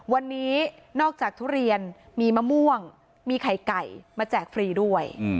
วันนี้นอกจากทุเรียนมีมะม่วงมีไข่ไก่มาแจกฟรีด้วย